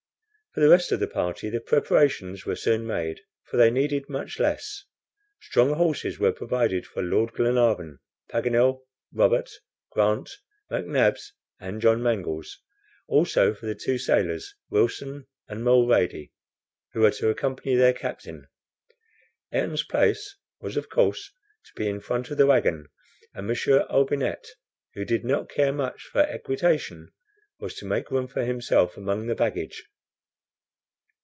For the rest of the party, the preparations were soon made, for they needed much less. Strong horses were provided for Lord Glenarvan, Paganel, Robert Grant, McNabbs, and John Mangles; also for the two sailors, Wilson and Mulrady, who were to accompany their captain. Ayrton's place was, of course, to be in front of the wagon, and M. Olbinett, who did not much care for equitation, was to make room for himself among the baggage.